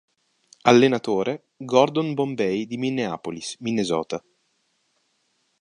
Allenatore: Gordon Bombay di Minneapolis, Minnesota